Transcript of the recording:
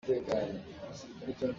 La fang khat in rak pu tuah.